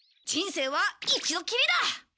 人生は一度きりだ！